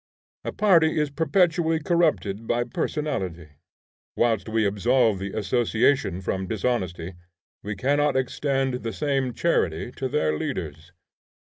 A party is perpetually corrupted by personality. Whilst we absolve the association from dishonesty, we cannot extend the same charity to their leaders.